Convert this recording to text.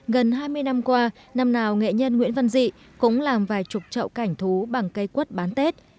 gần hai mươi năm qua năm nào nghệ nhân nguyễn văn dị cũng làm vài chục trậu cảnh thú bằng cây quất bán tết